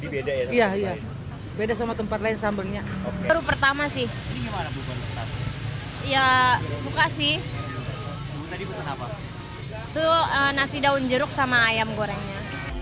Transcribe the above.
beda beda sama tempat lain sambelnya pertama sih ya suka sih itu nasi daun jeruk sama ayam gorengnya